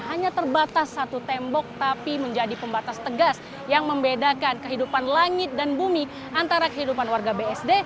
hanya terbatas satu tembok tapi menjadi pembatas tegas yang membedakan kehidupan langit dan bumi antara kehidupan warga bsd